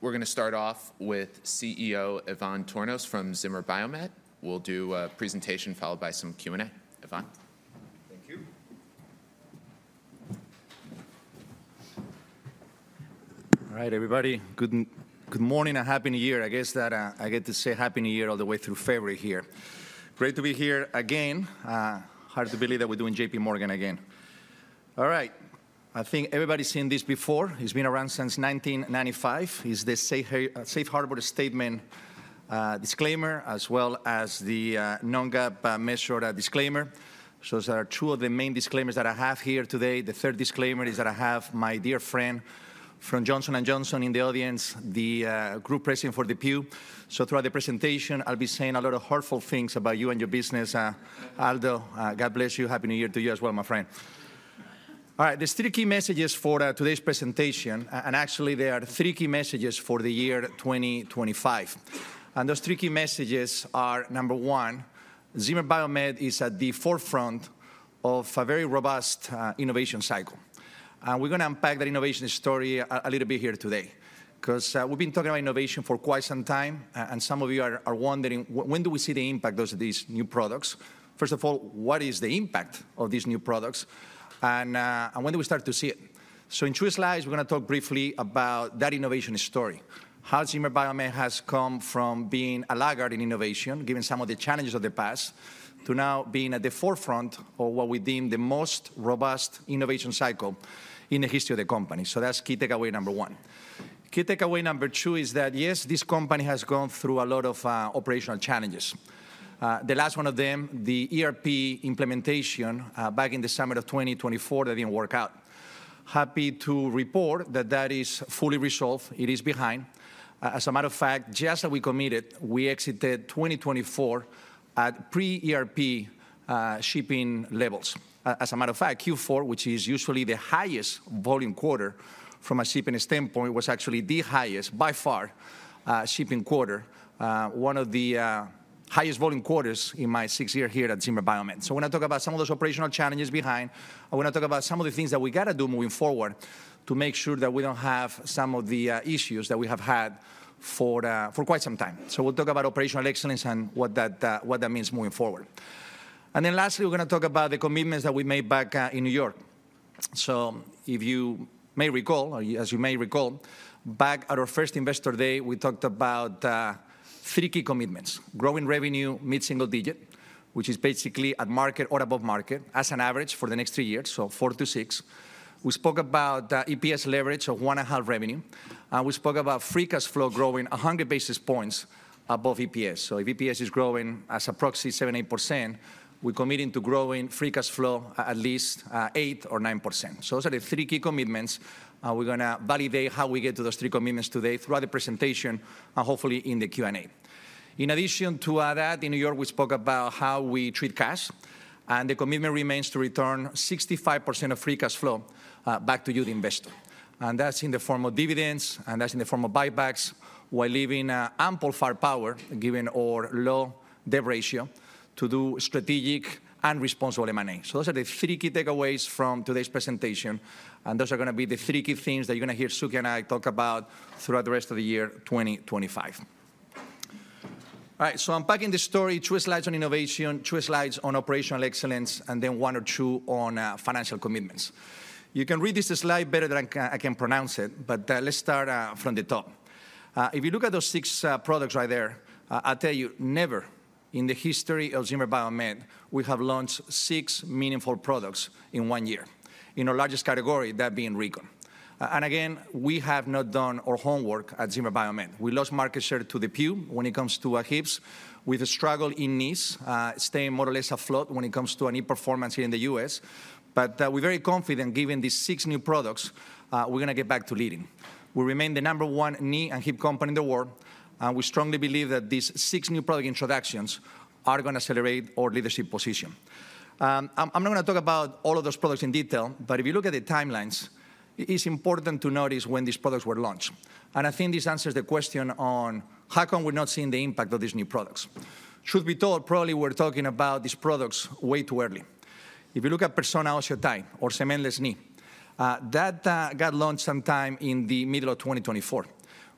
We're going to start off with CEO Ivan Tornos from Zimmer Biomet. We'll do a presentation followed by some Q&A. Ivan. Thank you. All right, everybody. Good morning and happy New Year. I guess that I get to say happy New Year all the way through February here. Great to be here again. Hard to believe that we're doing J.P. Morgan again. All right. I think everybody's seen this before. It's been around since 1995. It's the Safe Harbor Statement disclaimer, as well as the non-GAAP measure disclaimer. So those are two of the main disclaimers that I have here today. The third disclaimer is that I have my dear friend, from Johnson & Johnson in the audience, the group president for DePuy. So throughout the presentation, I'll be saying a lot of hurtful things about you and your business. Aldo, God bless you. Happy New Year to you as well, my friend. All right, the three key messages for today's presentation, and actually, there are three key messages for the year 2025. Those three key messages are, number one, Zimmer Biomet is at the forefront of a very robust innovation cycle. We're going to unpack that innovation story a little bit here today, because we've been talking about innovation for quite some time. Some of you are wondering, when do we see the impact of these new products? First of all, what is the impact of these new products? When do we start to see it? In two slides, we're going to talk briefly about that innovation story. How Zimmer Biomet has come from being a laggard in innovation, given some of the challenges of the past, to now being at the forefront of what we deem the most robust innovation cycle in the history of the company. That's key takeaway, number one. Key takeaway, number two, is that, yes, this company has gone through a lot of operational challenges. The last one of them, the ERP implementation back in the summer of 2024, that didn't work out. Happy to report that that is fully resolved. It is behind. As a matter of fact, just as we committed, we exited 2024 at pre-ERP shipping levels. As a matter of fact, Q4, which is usually the highest volume quarter from a shipping standpoint, was actually the highest, by far, shipping quarter. One of the highest volume quarters in my six years here at Zimmer Biomet. So when I talk about some of those operational challenges behind, I want to talk about some of the things that we got to do moving forward to make sure that we don't have some of the issues that we have had for quite some time. We'll talk about operational excellence and what that means moving forward. And then lastly, we're going to talk about the commitments that we made back in New York. So if you may recall, back at our first investor day, we talked about three key commitments: growing revenue, mid-single digit, which is basically at market or above market, as an average for the next three years, so 4%-6%. We spoke about EPS leverage of one and a half revenue. And we spoke about free cash flow growing 100 basis points above EPS. So if EPS is growing as approximately 7%, 8%, we're committing to growing free cash flow at least 8% or 9%. So those are the three key commitments. We're going to validate how we get to those three commitments today throughout the presentation, and hopefully in the Q&A. In addition to that, in New York, we spoke about how we treat cash, and the commitment remains to return 65% of free cash flow back to you, the investor. And that's in the form of dividends, and that's in the form of buybacks, while leaving ample firepower, given our low debt ratio, to do strategic and responsible M&A, so those are the three key takeaways from today's presentation, and those are going to be the three key things that you're going to hear Suky and I talk about throughout the rest of the year 2025. All right, so unpacking the story, two slides on innovation, two slides on operational excellence, and then one or two on financial commitments. You can read this slide better than I can pronounce it, but let's start from the top. If you look at those six products right there, I'll tell you, never in the history of Zimmer Biomet, we have launched six meaningful products in one year, in our largest category, that being recon. And again, we have not done our homework at Zimmer Biomet. We lost market share to DePuy when it comes to our hips, with a struggle in knees, staying more or less afloat when it comes to our knee performance here in the U.S. But we're very confident given these six new products, we're going to get back to leading. We remain the number one knee and hip company in the world. And we strongly believe that these six new product introductions are going to accelerate our leadership position. I'm not going to talk about all of those products in detail, but if you look at the timelines, it's important to notice when these products were launched, and I think this answers the question on how come we're not seeing the impact of these new products. Truth be told, probably we're talking about these products way too early. If you look at Persona OsseoTi, or cementless knee, that got launched sometime in the middle of 2024.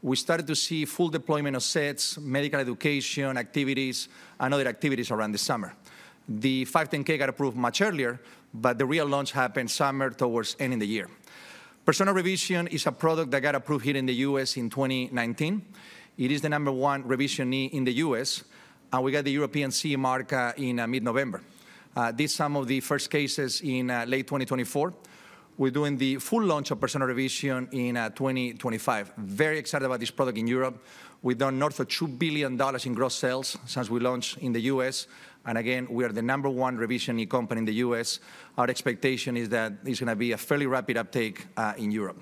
We started to see full deployment of sets, medical education activities, and other activities around the summer. The 510(k) got approved much earlier, but the real launch happened summer towards the end of the year. Persona Revision is a product that got approved here in the U.S. in 2019. It is the number one revision knee in the U.S., and we got the European CE Mark in mid-November. This is some of the first cases in late 2024. We're doing the full launch of Persona Revision in 2025. Very excited about this product in Europe. We've done north of $2 billion in gross sales since we launched in the U.S. And again, we are the number one revision knee company in the U.S. Our expectation is that it's going to be a fairly rapid uptake in Europe.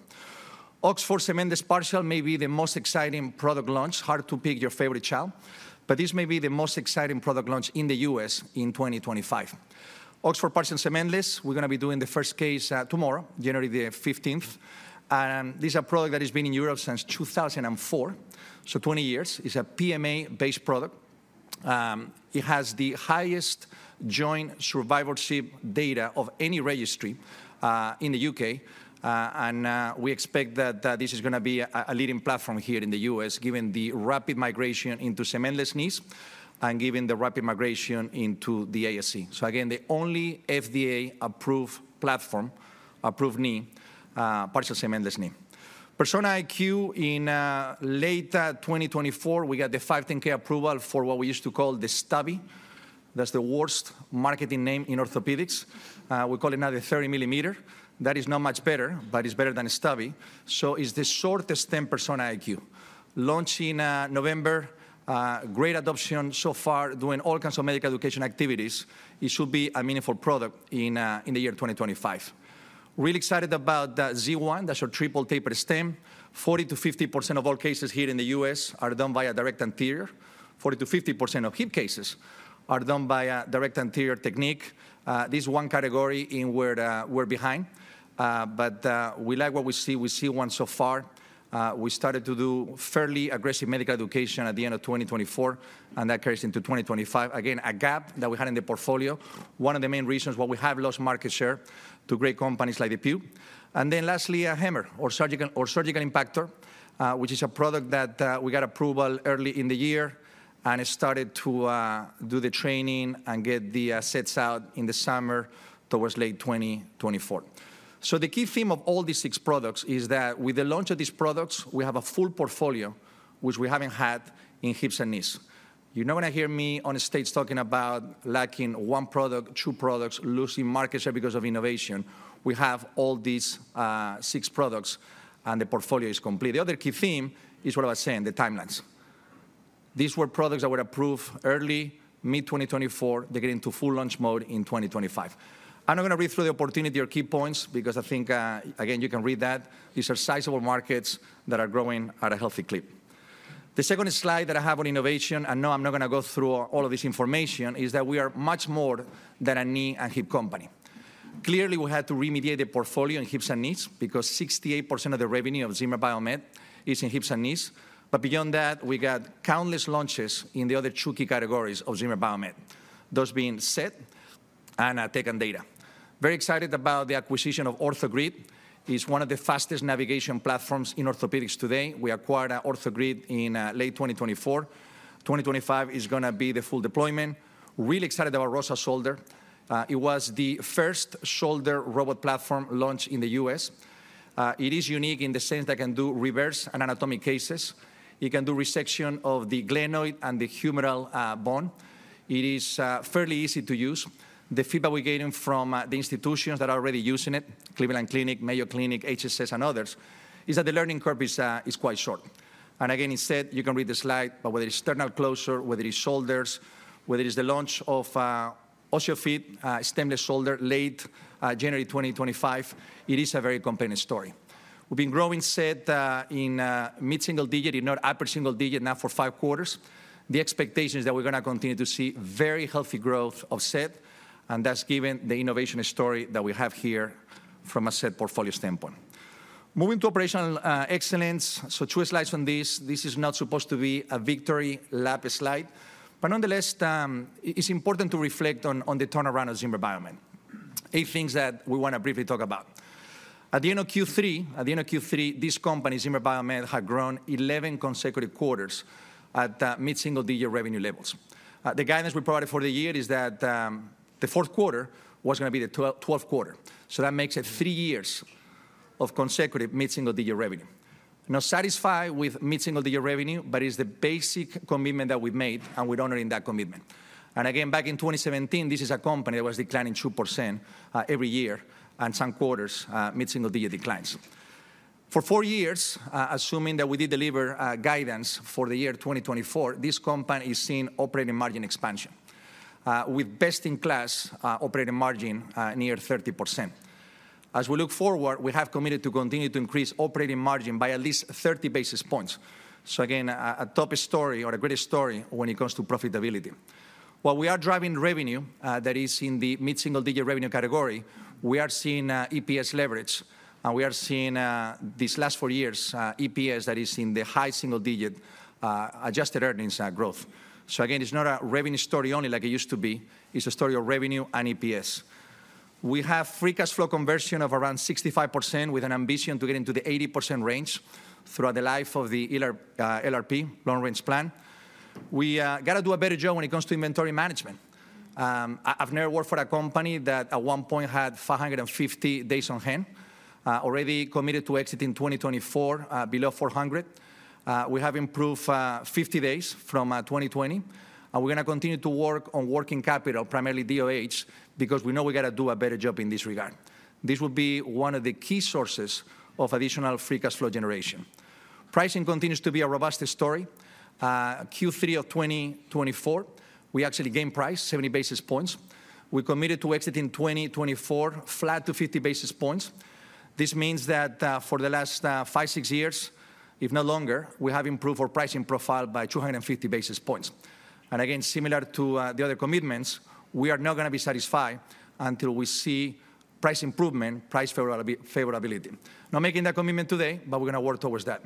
Oxford Cementless Partial may be the most exciting product launch. Hard to pick your favorite child. But this may be the most exciting product launch in the U.S. in 2025. Oxford Partial Cementless, we're going to be doing the first case tomorrow, January the 15th. And this is a product that has been in Europe since 2004, so 20 years. It's a PMA-based product. It has the highest joint survivorship data of any registry in the U.K. We expect that this is going to be a leading platform here in the U.S., given the rapid migration into cementless knees and given the rapid migration into the ASC. Again, the only FDA-approved platform, approved knee, Partial Cementless Knee. Persona IQ, in late 2024, we got the 510(k) approval for what we used to call the Stubby. That's the worst marketing name in orthopedics. We call it now the 30 mm. That is not much better, but it's better than Stubby. It's the shortest stem Persona IQ. Launch in November, great adoption so far, doing all kinds of medical education activities. It should be a meaningful product in the year 2025. Really excited about Z1, that's our triple tapered stem. 40%-50% of all cases here in the U.S. are done via direct anterior. 40%-50% of hip cases are done via direct anterior technique. This one category in where we're behind, but we like what we see. We see one so far. We started to do fairly aggressive medical education at the end of 2024, and that carries into 2025. Again, a gap that we had in the portfolio, one of the main reasons why we have lost market share to great companies like DePuy. And then lastly, a hammer, or surgical impactor, which is a product that we got approval early in the year, and we started to do the training and get the sets out in the summer towards late 2024, so the key theme of all these six products is that with the launch of these products, we have a full portfolio, which we haven't had in hips and knees. You're not going to hear me on the stage talking about lacking one product, two products, losing market share because of innovation. We have all these six products, and the portfolio is complete. The other key theme is what I was saying, the timelines. These were products that were approved early, mid-2024, they're getting to full launch mode in 2025. I'm not going to read through the opportunity or key points, because I think, again, you can read that. These are sizable markets that are growing at a healthy clip. The second slide that I have on innovation, and no, I'm not going to go through all of this information, is that we are much more than a knee and hip company. Clearly, we had to remediate the portfolio in hips and knees, because 68% of the revenue of Zimmer Biomet is in hips and knees. But beyond that, we got countless launches in the other two key categories of Zimmer Biomet. Those being S.E.T. and Tech & Data. Very excited about the acquisition of OrthoGrid. It's one of the fastest navigation platforms in orthopedics today. We acquired OrthoGrid in late 2024. 2025 is going to be the full deployment. Really excited about ROSA Shoulder. It was the first shoulder robot platform launched in the U.S. It is unique in the sense that it can do reverse and anatomic cases. It can do resection of the glenoid and the humeral bone. It is fairly easy to use. The feedback we're getting from the institutions that are already using it, Cleveland Clinic, Mayo Clinic, HSS, and others, is that the learning curve is quite short. Again, instead, you can read the slide, but whether it's sternal closure, whether it's shoulders, whether it's the launch of OsteoFit, stemless shoulder, late January 2025, it is a very compelling story. We've been growing set in mid-single digit, if not upper single digit now for five quarters. The expectation is that we're going to continue to see very healthy growth of set. And that's given the innovation story that we have here from a set portfolio standpoint. Moving to operational excellence, so two slides on this. This is not supposed to be a victory lap slide. Nonetheless, it's important to reflect on the turnaround of Zimmer Biomet. Eight things that we want to briefly talk about. At the end of Q3, this company, Zimmer Biomet, had grown 11 consecutive quarters at mid-single digit revenue levels. The guidance we provided for the year is that the fourth quarter was going to be the 12th quarter. So that makes it three years of consecutive mid-single digit revenue. Not satisfied with mid-single digit revenue, but it's the basic commitment that we made, and we're honoring that commitment. And again, back in 2017, this is a company that was declining 2% every year and some quarters mid-single digit declines. For four years, assuming that we did deliver guidance for the year 2024, this company is seeing operating margin expansion with best-in-class operating margin near 30%. As we look forward, we have committed to continue to increase operating margin by at least 30 basis points. So again, a top story or a great story when it comes to profitability. While we are driving revenue that is in the mid-single digit revenue category, we are seeing EPS leverage. We are seeing these last four years EPS that is in the high single digit adjusted earnings growth. So again, it's not a revenue story only like it used to be. It's a story of revenue and EPS. We have free cash flow conversion of around 65% with an ambition to get into the 80% range throughout the life of the LRP, long-range plan. We got to do a better job when it comes to inventory management. I've never worked for a company that at one point had 550 days on hand. Already committed to exit in 2024 below 400. We have improved 50 days from 2020. We're going to continue to work on working capital, primarily DOH, because we know we got to do a better job in this regard. This will be one of the key sources of additional free cash flow generation. Pricing continues to be a robust story. Q3 of 2024, we actually gained price, 70 basis points. We committed to exit in 2024, flat to 50 basis points. This means that for the last five, six years, if not longer, we have improved our pricing profile by 250 basis points, and again, similar to the other commitments, we are not going to be satisfied until we see price improvement, price favorability. Not making that commitment today, but we're going to work towards that,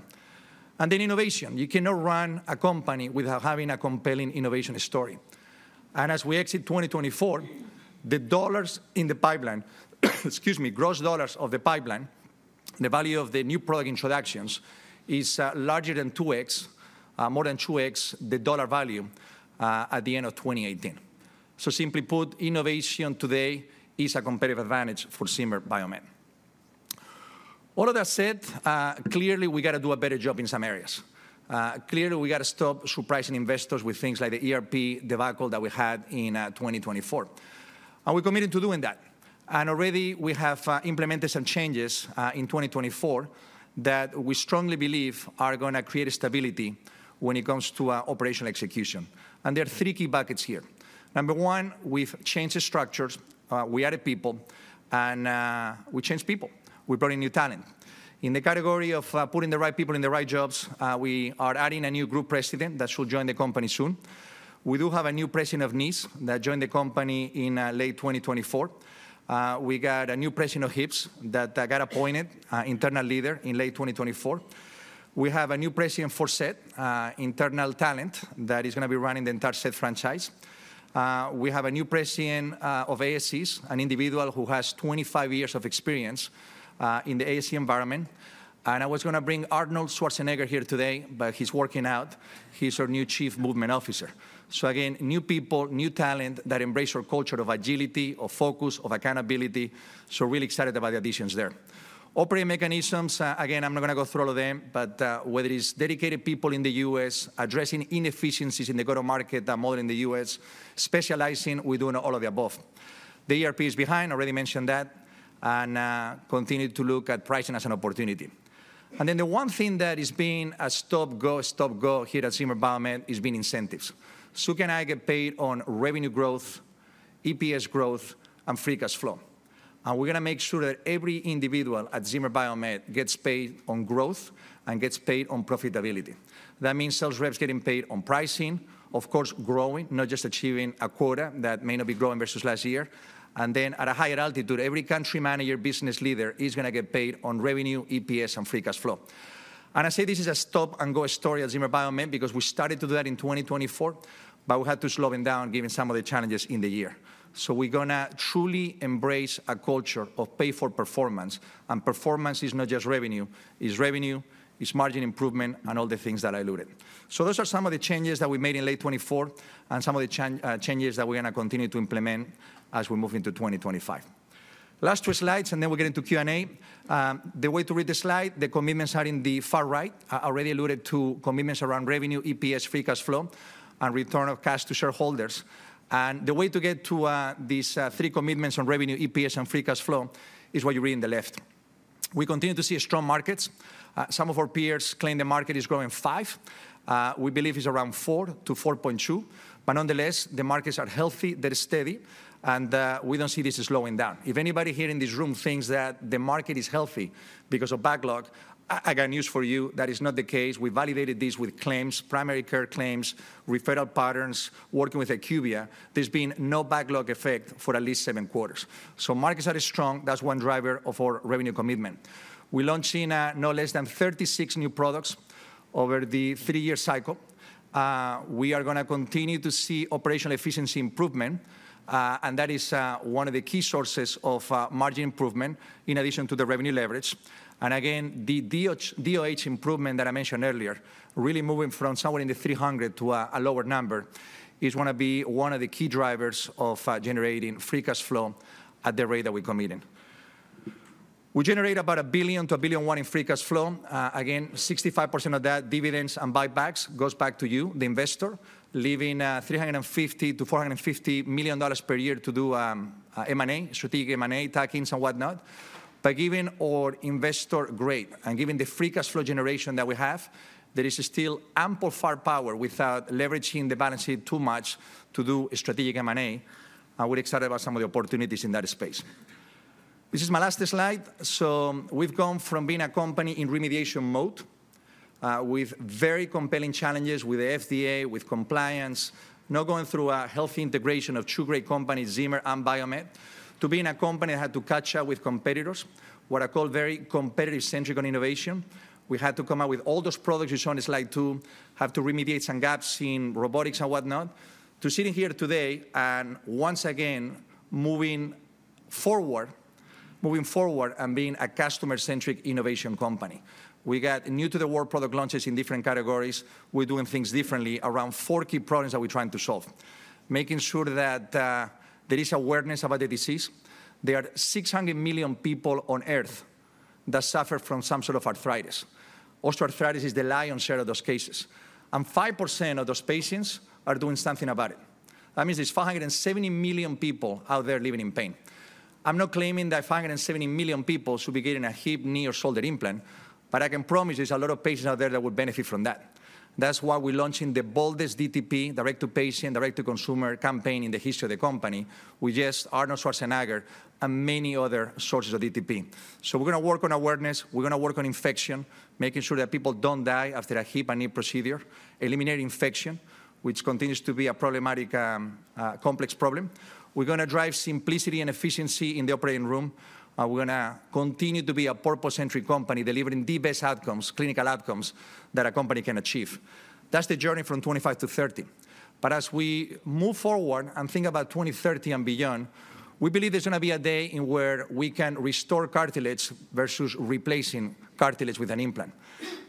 and then innovation. You cannot run a company without having a compelling innovation story, and as we exit 2024, the dollars in the pipeline, excuse me, gross dollars of the pipeline, the value of the new product introductions is larger than 2x, more than 2x the dollar value at the end of 2018, so simply put, innovation today is a competitive advantage for Zimmer Biomet. All of that said, clearly, we got to do a better job in some areas. Clearly, we got to stop surprising investors with things like the ERP debacle that we had in 2024. And we're committed to doing that. And already, we have implemented some changes in 2024 that we strongly believe are going to create stability when it comes to operational execution. And there are three key buckets here. Number one, we've changed the structures. We added people, and we changed people. We brought in new talent. In the category of putting the right people in the right jobs, we are adding a new Group President that should join the company soon. We do have a new President of Knees that joined the company in late 2024. We got a new President of Hips that got appointed internal leader in late 2024. We have a new president for S.E.T., internal talent that is going to be running the entire S.E.T. franchise. We have a new president of ASCs, an individual who has 25 years of experience in the ASC environment. And I was going to bring Arnold Schwarzenegger here today, but he's working out. He's our new Chief Movement Officer. So again, new people, new talent that embrace our culture of agility, of focus, of accountability. So really excited about the additions there. Operating mechanisms, again, I'm not going to go through all of them, but whether it's dedicated people in the U.S., addressing inefficiencies in the go-to-market model in the U.S., specializing, we're doing all of the above. The ERP is behind, already mentioned that, and continue to look at pricing as an opportunity. Then the one thing that is being a stop-go, stop-go here at Zimmer Biomet is incentives. Suky and I get paid on revenue growth, EPS growth, and free cash flow. We're going to make sure that every individual at Zimmer Biomet gets paid on growth and gets paid on profitability. That means sales reps getting paid on pricing, of course, growing, not just achieving a quota that may not be growing versus last year. Then at a higher altitude, every country manager, business leader is going to get paid on revenue, EPS, and free cash flow. I say this is a stop-go story at Zimmer Biomet because we started to do that in 2024, but we had to slow it down given some of the challenges in the year. We're going to truly embrace a culture of pay for performance. Performance is not just revenue. It's revenue, it's margin improvement, and all the things that I alluded to. So those are some of the changes that we made in late 2024 and some of the changes that we're going to continue to implement as we move into 2025. Last two slides, and then we're getting to Q&A. The way to read the slide, the commitments are in the far right. I already alluded to commitments around revenue, EPS, free cash flow, and return of cash to shareholders. The way to get to these three commitments on revenue, EPS, and free cash flow is what you read in the left. We continue to see strong markets. Some of our peers claim the market is growing 5%. We believe it's around 4%-4.2%. But nonetheless, the markets are healthy. They're steady. We don't see this slowing down. If anybody here in this room thinks that the market is healthy because of backlog, I got news for you that is not the case. We validated this with claims, primary care claims, referral patterns, working with IQVIA. There's been no backlog effect for at least seven quarters, so markets are strong. That's one driver of our revenue commitment. We launched in no less than 36 new products over the three-year cycle. We are going to continue to see operational efficiency improvement, and that is one of the key sources of margin improvement in addition to the revenue leverage, and again, the DOH improvement that I mentioned earlier, really moving from somewhere in the 300 to a lower number, is going to be one of the key drivers of generating free cash flow at the rate that we're committing. We generate about $1 billion-$1.1 billion in free cash flow. Again, 65% of that dividends and buybacks goes back to you, the investor, leaving $350 million-$450 million per year to do M&A, strategic M&A, tuck-ins, and whatnot. But given our investment grade and given the free cash flow generation that we have, there is still ample firepower without leveraging the balance sheet too much to do strategic M&A. We're excited about some of the opportunities in that space. This is my last slide. So we've gone from being a company in remediation mode with very compelling challenges with the FDA, with compliance, not going through a healthy integration of two great companies, Zimmer and Biomet, to being a company that had to catch up with competitors, what I call very competitor-centric on innovation. We had to come up with all those products you saw on slide two, have to remediate some gaps in robotics and whatnot, to sitting here today and once again moving forward, moving forward and being a customer-centric innovation company. We got new-to-the-world product launches in different categories. We're doing things differently around four key problems that we're trying to solve, making sure that there is awareness about the disease. There are 600 million people on earth that suffer from some sort of arthritis. Osteoarthritis is the lion's share of those cases, and 5% of those patients are doing something about it. That means there's 570 million people out there living in pain. I'm not claiming that 570 million people should be getting a hip, knee, or shoulder implant, but I can promise there's a lot of patients out there that would benefit from that. That's why we're launching the boldest DTP, direct-to-patient, direct-to-consumer campaign in the history of the company, with just Arnold Schwarzenegger and many other sources of DTP. So we're going to work on awareness. We're going to work on infection, making sure that people don't die after a hip and knee procedure, eliminate infection, which continues to be a problematic, complex problem. We're going to drive simplicity and efficiency in the operating room. We're going to continue to be a purpose-centric company delivering the best outcomes, clinical outcomes that a company can achieve. That's the journey from 25 to 30. But as we move forward and think about 2030 and beyond, we believe there's going to be a day where we can restore cartilage versus replacing cartilage with an implant.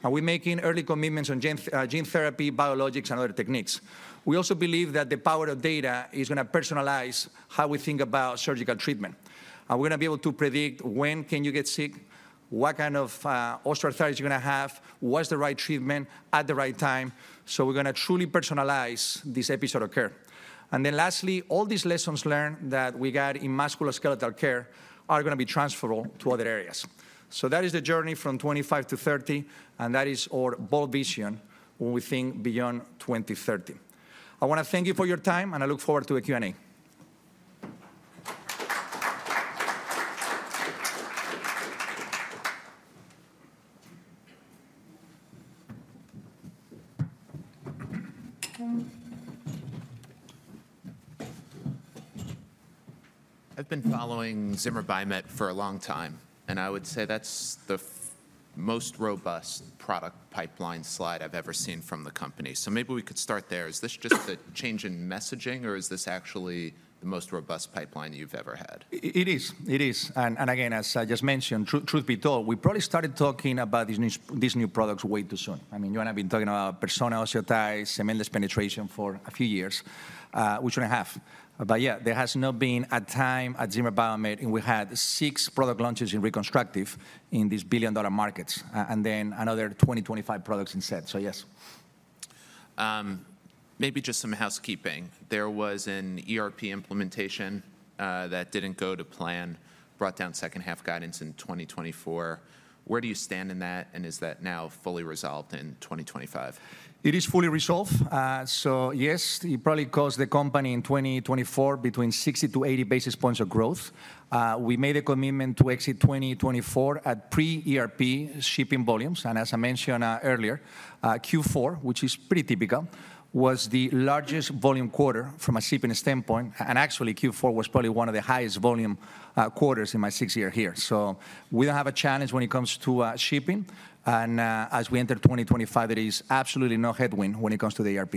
And we're making early commitments on gene therapy, biologics, and other techniques. We also believe that the power of data is going to personalize how we think about surgical treatment. And we're going to be able to predict when can you get sick, what kind of osteoarthritis you're going to have, what's the right treatment at the right time. So we're going to truly personalize this episode of care. And then lastly, all these lessons learned that we got in musculoskeletal care are going to be transferable to other areas. So that is the journey from 25 to 30. And that is our bold vision when we think beyond 2030. I want to thank you for your time, and I look forward to a Q&A. I've been following Zimmer Biomet for a long time, and I would say that's the most robust product pipeline slide I've ever seen from the company. So maybe we could start there. Is this just a change in messaging, or is this actually the most robust pipeline you've ever had? It is. It is. And again, as I just mentioned, truth be told, we probably started talking about these new products way too soon. I mean, you and I have been talking about Persona OsseoTi, cementless penetration for a few years. We shouldn't have. But yeah, there has not been a time at Zimmer Biomet when we had six product launches in reconstructive in these billion-dollar markets and then another 2025 products in set. So yes. Maybe just some housekeeping. There was an ERP implementation that didn't go to plan, brought down second-half guidance in 2024. Where do you stand in that, and is that now fully resolved in 2025? It is fully resolved. So yes, it probably cost the company in 2024 between 60 to 80 basis points of growth. We made a commitment to exit 2024 at pre-ERP shipping volumes. And as I mentioned earlier, Q4, which is pretty typical, was the largest volume quarter from a shipping standpoint. And actually, Q4 was probably one of the highest volume quarters in my six years here. So we don't have a challenge when it comes to shipping. And as we enter 2025, there is absolutely no headwind when it comes to the ERP.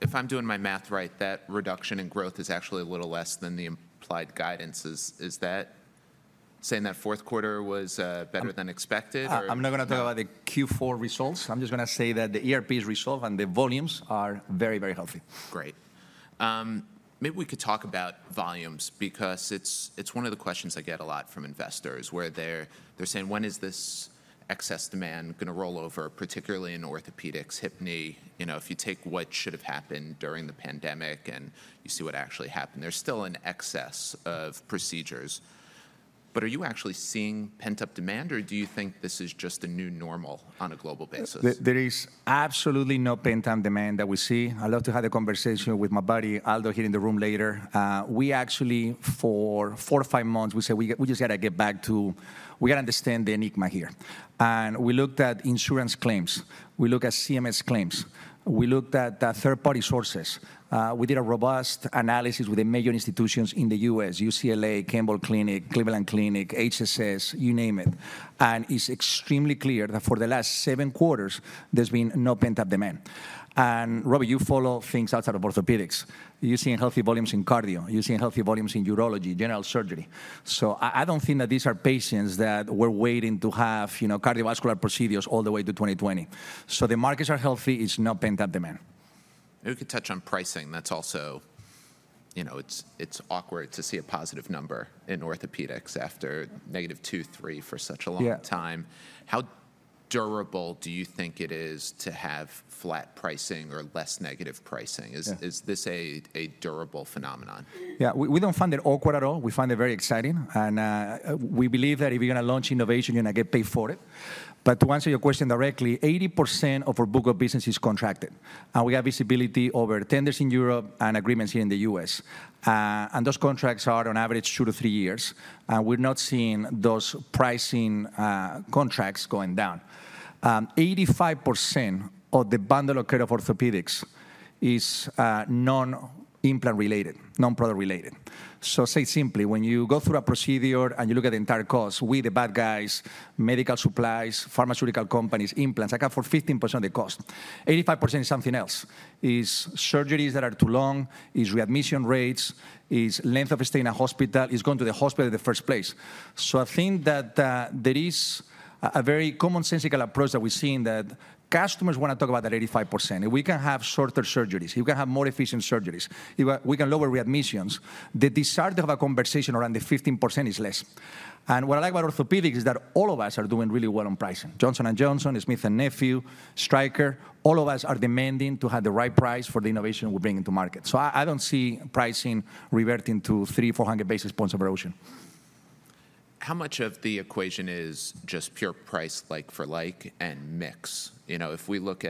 If I'm doing my math right, that reduction in growth is actually a little less than the implied guidances. Is that saying that fourth quarter was better than expected? I'm not going to talk about the Q4 results. I'm just going to say that the ERP is resolved and the volumes are very, very healthy. Great. Maybe we could talk about volumes because it's one of the questions I get a lot from investors where they're saying, when is this excess demand going to roll over, particularly in orthopedics, hip, knee? If you take what should have happened during the pandemic and you see what actually happened, there's still an excess of procedures. But are you actually seeing pent-up demand, or do you think this is just a new normal on a global basis? There is absolutely no pent-up demand that we see. I'd love to have the conversation with my buddy Aldo here in the room later. We actually, for four or five months, we said we just got to get back to, we got to understand the enigma here, and we looked at insurance claims. We looked at CMS claims. We looked at third-party sources. We did a robust analysis with the major institutions in the U.S.: UCLA, Campbell Clinic, Cleveland Clinic, HSS, you name it, and it's extremely clear that for the last seven quarters, there's been no pent-up demand, and, Robbie, you follow things outside of orthopedics. You're seeing healthy volumes in cardio. You're seeing healthy volumes in urology, general surgery, so I don't think that these are patients that were waiting to have cardiovascular procedures all the way to 2020, so the markets are healthy. It's not pent-up demand. We could touch on pricing. That's also, it's awkward to see a positive number in orthopedics after negative two, three for such a long time. How durable do you think it is to have flat pricing or less negative pricing? Is this a durable phenomenon? Yeah, we don't find it awkward at all. We find it very exciting. We believe that if you're going to launch innovation, you're going to get paid for it. To answer your question directly, 80% of our book of business is contracted. We have visibility over tenders in Europe and agreements here in the U.S. Those contracts are on average two to three years. We're not seeing those pricing contracts going down. 85% of the bundle of care of orthopedics is non-implant related, non-product related. So say simply, when you go through a procedure and you look at the entire cost with the bad guys, medical supplies, pharmaceutical companies, implants account for 15% of the cost. 85% is something else. It's surgeries that are too long. It's readmission rates. It's length of stay in a hospital. It's going to the hospital in the first place. So, I think that there is a very commonsensical approach that we're seeing that customers want to talk about that 85%. If we can have shorter surgeries, if we can have more efficient surgeries, if we can lower readmissions, the desire to have a conversation around the 15% is less. And what I like about orthopedics is that all of us are doing really well on pricing. Johnson & Johnson, Smith & Nephew, Stryker, all of us are demanding to have the right price for the innovation we bring into market. So I don't see pricing reverting to 300-400 basis points of erosion. How much of the equation is just pure price like-for-like and mix? If we look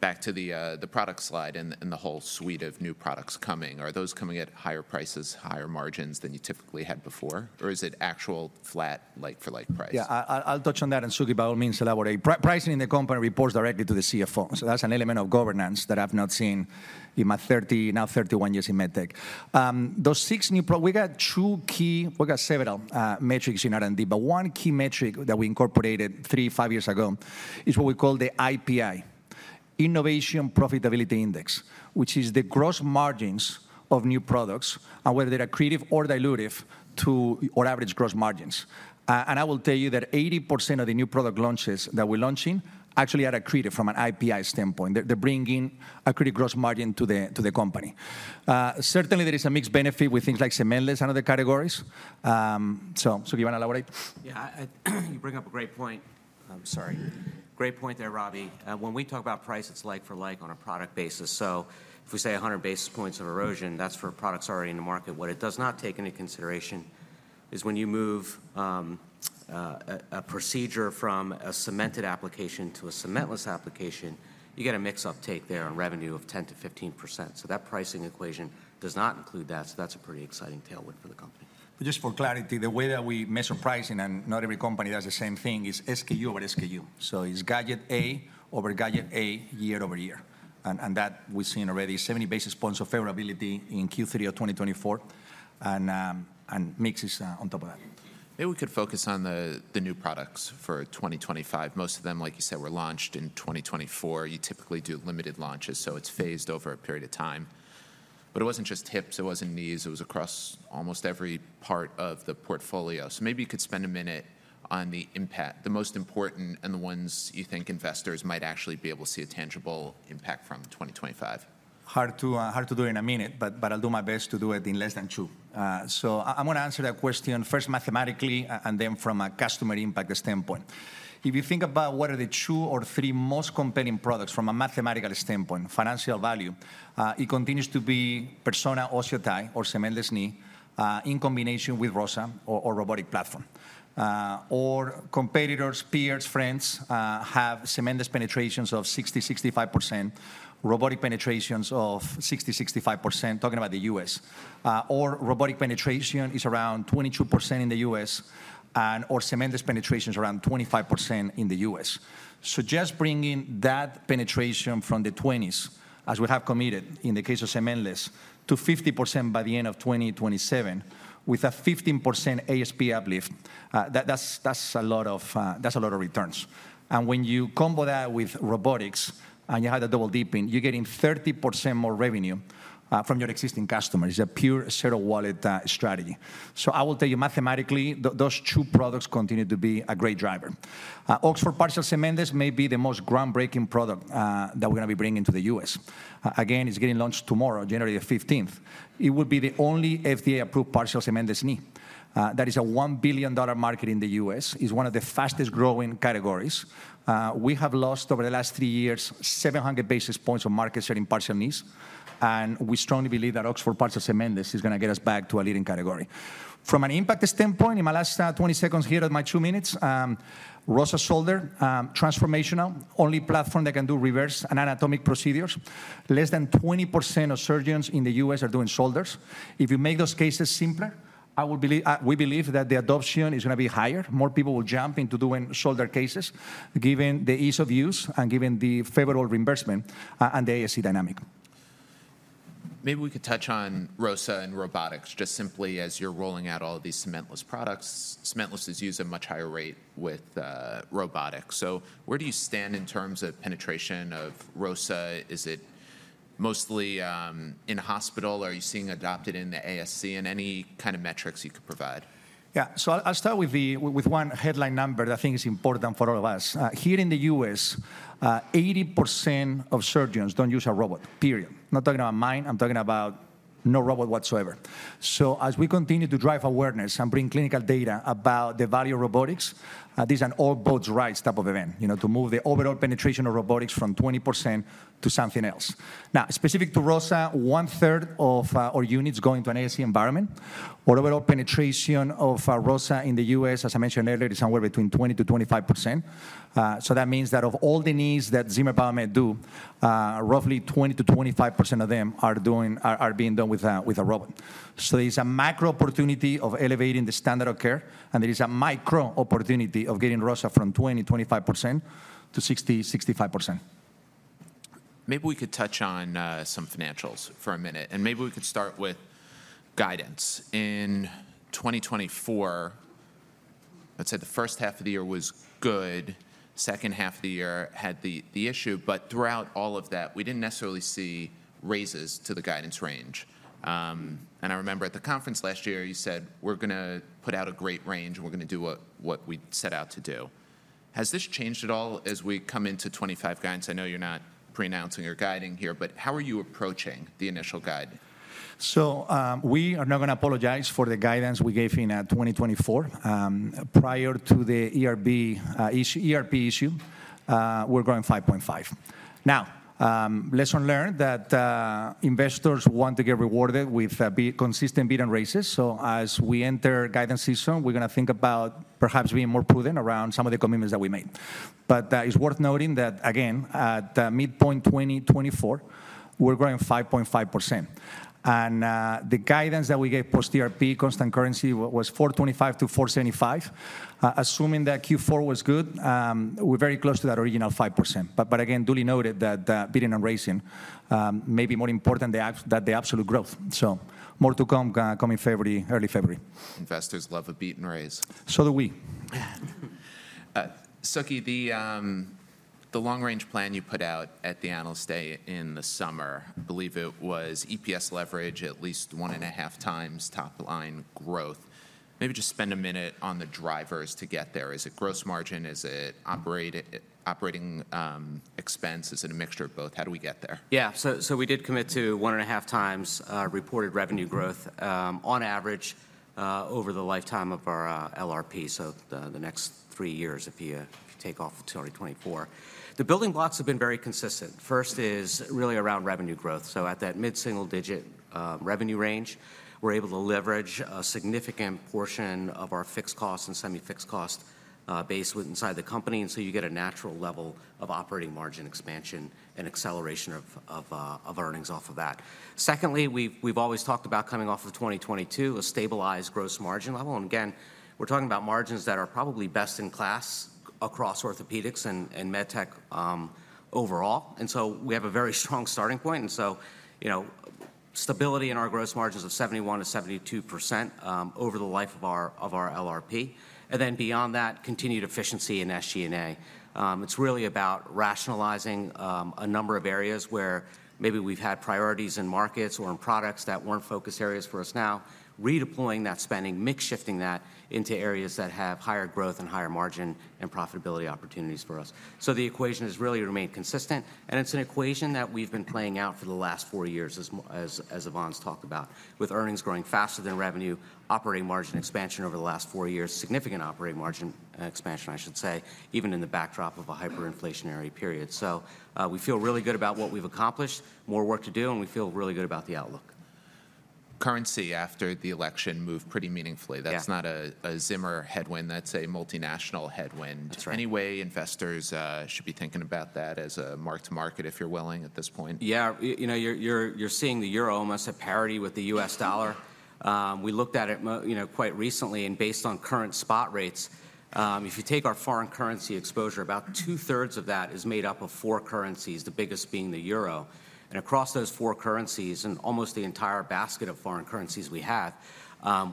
back to the product slide and the whole suite of new products coming, are those coming at higher prices, higher margins than you typically had before? Or is it actual flat like-for-like price? Yeah, I'll touch on that and Suky, by all means, elaborate. Pricing in the company reports directly to the CFO. So that's an element of governance that I've not seen in my 30, now 31 years in med tech. Those six new products, we got two key, we got several metrics in R&D, but one key metric that we incorporated three, five years ago is what we call the IPI, Innovation Profitability Index, which is the gross margins of new products and whether they're accretive or dilutive to our average gross margins. And I will tell you that 80% of the new product launches that we're launching actually are accretive from an IPI standpoint. They're bringing accretive gross margin to the company. Certainly, there is a mixed benefit with things like cementless and other categories. So, Suky, you want to elaborate? Yeah, you bring up a great point. I'm sorry. Great point there, Robbie. When we talk about price, it's like-for-like on a product basis. So if we say 100 basis points of erosion, that's for products already in the market. What it does not take into consideration is when you move a procedure from a cemented application to a cementless application, you get a mixed uptake there on revenue of 10%-15%. So that pricing equation does not include that. So that's a pretty exciting tailwind for the company. But just for clarity, the way that we measure pricing, and not every company does the same thing, is SKU over SKU. So it's gadget A over gadget A year over year. And that we've seen already 70 basis points of favorability in Q3 of 2024 and mixes on top of that. Maybe we could focus on the new products for 2025. Most of them, like you said, were launched in 2024. You typically do limited launches, so it's phased over a period of time. But it wasn't just hips, it wasn't knees, it was across almost every part of the portfolio. So maybe you could spend a minute on the impact, the most important and the ones you think investors might actually be able to see a tangible impact from 2025. Hard to do in a minute, but I'll do my best to do it in less than two. So I'm going to answer that question first mathematically and then from a customer impact standpoint. If you think about what are the two or three most compelling products from a mathematical standpoint, financial value, it continues to be Persona OsseoTi or cementless knee in combination with ROSA or robotic platform. Competitors, peers, friends have cementless penetrations of 60-65%, robotic penetrations of 60-65%, talking about the US. Robotic penetration is around 22% in the US and/or cementless penetrations around 25% in the U.S. Just bringing that penetration from the 20s, as we have committed in the case of cementless, to 50% by the end of 2027 with a 15% ASP uplift, that's a lot of returns. When you combo that with robotics and you have the double dipping, you're getting 30% more revenue from your existing customers. It's a pure share of wallet strategy. Mathematically, those two products continue to be a great driver. Oxford Cementless Partial Knee may be the most groundbreaking product that we're going to be bringing to the US. It's getting launched tomorrow, January the 15th. It will be the only FDA-approved partial cementless knee. That is a $1 billion market in the U.S. It's one of the fastest growing categories. We have lost over the last three years 700 basis points of market share in partial knees. And we strongly believe that Oxford Cementless Partial Knee is going to get us back to a leading category. From an impact standpoint, in my last 20 seconds here of my two minutes, ROSA Shoulder, transformational, only platform that can do reverse and anatomic procedures. Less than 20% of surgeons in the U.S. are doing shoulders. If you make those cases simpler, we believe that the adoption is going to be higher. More people will jump into doing shoulder cases given the ease of use and given the favorable reimbursement and the ASC dynamic. Maybe we could touch on ROSA and robotics just simply as you're rolling out all of these cementless products. Cementless is used at a much higher rate with robotics. So where do you stand in terms of penetration of ROSA? Is it mostly in a hospital? Are you seeing adoption in the ASC? And any kind of metrics you could provide? Yeah, so I'll start with one headline number that I think is important for all of us. Here in the U.S., 80% of surgeons don't use a robot, period. I'm not talking about Mako. I'm talking about no robot whatsoever. So as we continue to drive awareness and bring clinical data about the value of robotics, this is an all-boats-rise type of event to move the overall penetration of robotics from 20% to something else. Now, specific to ROSA, one-third of our units go into an ASC environment. Our overall penetration of ROSA in the U.S., as I mentioned earlier, is somewhere between 20%-25%. So that means that of all the knees that Zimmer Biomet do, roughly 20%-25% of them are being done with a robot. So there's a macro opportunity of elevating the standard of care, and there is a micro opportunity of getting ROSA from 20%-25% to 60%, 65%. Maybe we could touch on some financials for a minute, and maybe we could start with guidance. In 2024, let's say the first half of the year was good. Second half of the year had the issue. But throughout all of that, we didn't necessarily see raises to the guidance range. And I remember at the conference last year, you said, "We're going to put out a great range, and we're going to do what we set out to do." Has this changed at all as we come into 2025 guidance? I know you're not pre-announcing or guiding here, but how are you approaching the initial guide? So we are not going to apologize for the guidance we gave in 2024. Prior to the ERP issue, we're growing 5.5%. Now, lesson learned that investors want to get rewarded with consistent beat and raises. So as we enter guidance season, we're going to think about perhaps being more prudent around some of the commitments that we made. But it's worth noting that, again, at midpoint 2024, we're growing 5.5%. And the guidance that we gave post-ERP constant currency was 4.25%-4.75%. Assuming that Q4 was good, we're very close to that original 5%. But again, duly noted that beating and raising may be more important than the absolute growth. So more to come in February, early February. Investors love a beat and raise. So do we. Suky, the long-range plan you put out at the Analyst Day in the summer, I believe it was EPS leverage at least one and a half times top-line growth. Maybe just spend a minute on the drivers to get there. Is it gross margin? Is it operating expense? Is it a mixture of both? How do we get there? Yeah, so we did commit to one and a half times reported revenue growth on average over the lifetime of our LRP, so the next three years if you take off until 2024. The building blocks have been very consistent. First is really around revenue growth. So at that mid-single-digit revenue range, we're able to leverage a significant portion of our fixed cost and semi-fixed cost base inside the company. And so you get a natural level of operating margin expansion and acceleration of earnings off of that. Secondly, we've always talked about coming off of 2022, a stabilized gross margin level, and again, we're talking about margins that are probably best in class across orthopedics and med tech overall, and so we have a very strong starting point, and so stability in our gross margins of 71% to 72% over the life of our LRP, and then beyond that, continued efficiency in SG&A. It's really about rationalizing a number of areas where maybe we've had priorities in markets or in products that weren't focus areas for us now, redeploying that spending, mix-shifting that into areas that have higher growth and higher margin and profitability opportunities for us, so the equation has really remained consistent. And it's an equation that we've been playing out for the last four years, as Ivan talked about, with earnings growing faster than revenue, operating margin expansion over the last four years, significant operating margin expansion, I should say, even in the backdrop of a hyperinflationary period. So we feel really good about what we've accomplished, more work to do, and we feel really good about the outlook. Currency after the election moved pretty meaningfully. That's not a Zimmer headwind. That's a multinational headwind. That's right. Anyway, investors should be thinking about that as a mark-to-market, if you're willing at this point. Yeah, you're seeing the euro almost at parity with the U.S. dollar. We looked at it quite recently and based on current spot rates. If you take our foreign currency exposure, about two-thirds of that is made up of four currencies, the biggest being the euro. Across those four currencies and almost the entire basket of foreign currencies we have,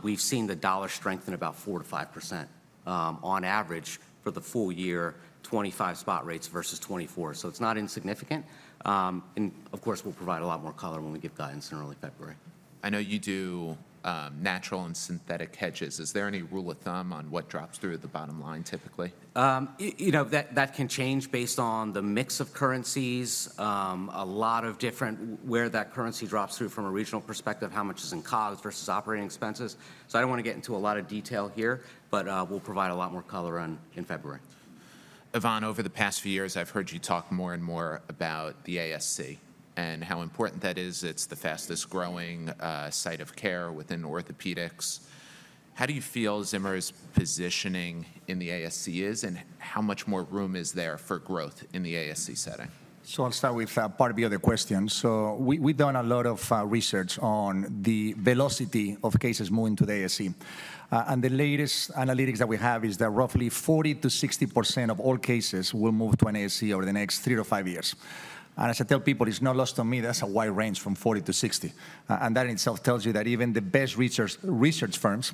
we've seen the dollar strengthen about 4%-5% on average for the full year, 2025 spot rates versus 2024. So it's not insignificant. And of course, we'll provide a lot more color when we give guidance in early February. I know you do natural and synthetic hedges. Is there any rule of thumb on what drops through at the bottom line typically? That can change based on the mix of currencies, a lot of different where that currency drops through from a regional perspective, how much is in cogs versus operating expenses. So I don't want to get into a lot of detail here, but we'll provide a lot more color in February. Ivan, over the past few years, I've heard you talk more and more about the ASC and how important that is. It's the fastest growing site of care within orthopedics. How do you feel Zimmer's positioning in the ASC is, and how much more room is there for growth in the ASC setting? So I'll start with part of the other question. So we've done a lot of research on the velocity of cases moving to the ASC. And the latest analytics that we have is that roughly 40%-60% of all cases will move to an ASC over the next three to five years. And as I tell people, it's no loss to me. That's a wide range from 40%-60%. And that in itself tells you that even the best research firms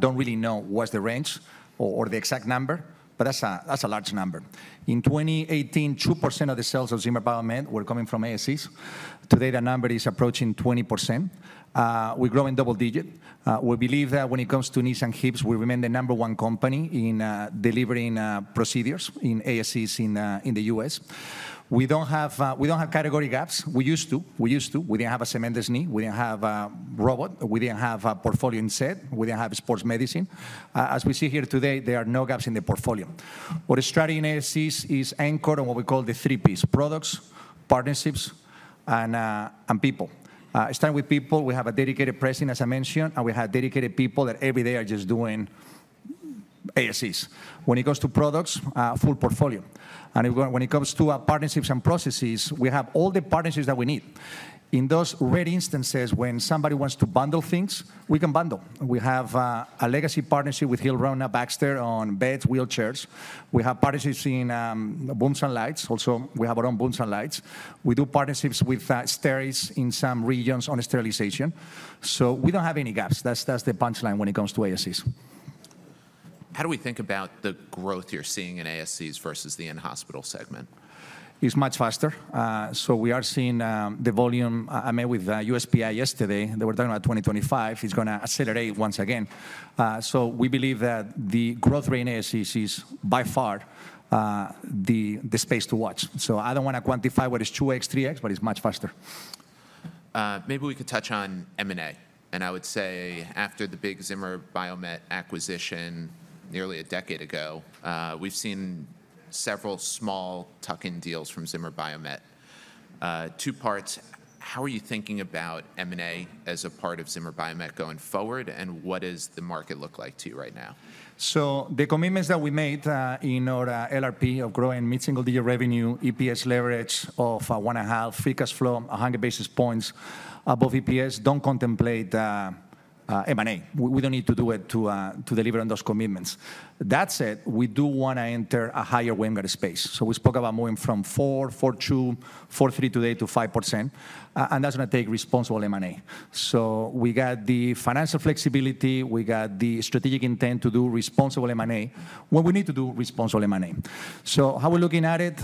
don't really know what's the range or the exact number, but that's a large number. In 2018, 2% of the sales of Zimmer Biomet were coming from ASCs. Today, that number is approaching 20%. We're growing double digit. We believe that when it comes to knees and hips, we remain the number one company in delivering procedures in ASCs in the U.S. We don't have category gaps. We used to. We used to. We didn't have a cementless knee. We didn't have a robot. We didn't have a portfolio in set. We didn't have sports medicine. As we see here today, there are no gaps in the portfolio. What is struggling in ASCs is anchored on what we call the three P's: products, partnerships, and people. Starting with people, we have a dedicated president, as I mentioned, and we have dedicated people that every day are just doing ASCs. When it comes to products, full portfolio. And when it comes to partnerships and processes, we have all the partnerships that we need. In those rare instances, when somebody wants to bundle things, we can bundle. We have a legacy partnership with Hill-Rom and Baxter on beds, wheelchairs. We have partnerships in booms and lights. Also, we have our own booms and lights. We do partnerships with STERIS in some regions on sterilization. So we don't have any gaps. That's the punchline when it comes to ASCs. How do we think about the growth you're seeing in ASCs versus the in-hospital segment? It's much faster. So we are seeing the volume. I met with USPI yesterday. They were talking about 2025. It's going to accelerate once again. So we believe that the growth rate in ASCs is by far the space to watch. So I don't want to quantify what is 2x, 3x, but it's much faster. Maybe we could touch on M&A. I would say after the big Zimmer Biomet acquisition nearly a decade ago, we've seen several small tuck-in deals from Zimmer Biomet. Two parts. How are you thinking about M&A as a part of Zimmer Biomet going forward, and what does the market look like to you right now? The commitments that we made in our LRP of growing mid-single-digit revenue, EPS leverage of one and a half, free cash flow, 100 basis points above EPS don't contemplate M&A. We don't need to do it to deliver on those commitments. That said, we do want to enter a higher-margin space. We spoke about moving from 4%, 4.2%, 4.3% today to 5%. That's going to take responsible M&A. We got the financial flexibility. We got the strategic intent to do responsible M&A when we need to do responsible M&A. How we're looking at it?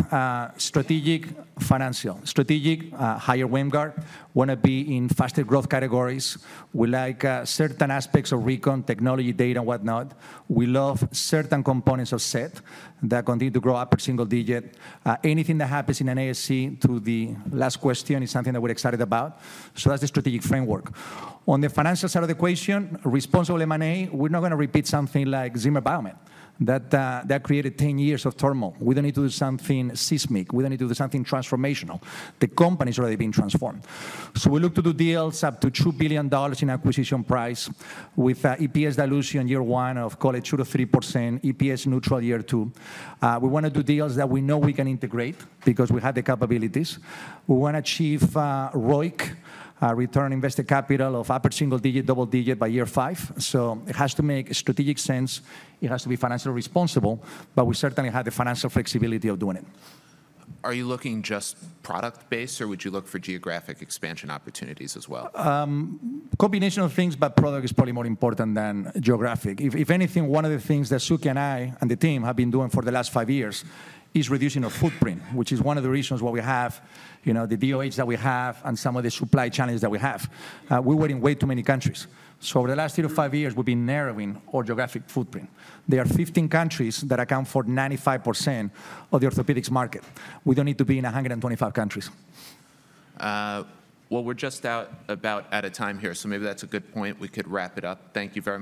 Strategic, financial, strategic, higher margin. Want to be in faster growth categories. We like certain aspects of recon technology, data and whatnot. We love certain components of set that continue to grow upper single digit. Anything that happens in an ASC to the last question is something that we're excited about. So that's the strategic framework. On the financial side of the equation, responsible M&A, we're not going to repeat something like Zimmer Biomet that created 10 years of turmoil. We don't need to do something seismic. We don't need to do something transformational. The company's already been transformed. So we look to do deals up to $2 billion in acquisition price with EPS dilution year one of less than 2%-3%, EPS neutral year two. We want to do deals that we know we can integrate because we have the capabilities. We want to achieve ROIC, return on invested capital of upper single digit, double digit by year five. So it has to make strategic sense. It has to be financially responsible, but we certainly have the financial flexibility of doing it. Are you looking just product-based, or would you look for geographic expansion opportunities as well? Combination of things, but product is probably more important than geographic. If anything, one of the things that Suky and I and the team have been doing for the last five years is reducing our footprint, which is one of the reasons why we have the DOH that we have and some of the supply challenges that we have. We were in way too many countries. So over the last three to five years, we've been narrowing our geographic footprint. There are 15 countries that account for 95% of the orthopedics market. We don't need to be in 125 countries. Well, we're just about out of time here, so maybe that's a good point. We could wrap it up. Thank you very much.